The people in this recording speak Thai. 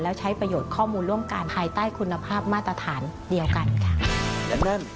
แล้วใช้ประโยชน์ข้อมูลร่วมกัน